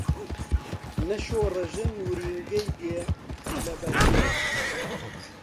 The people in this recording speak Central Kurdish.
نە شۆڕەژن ورینگەی دێ لەبەر بێر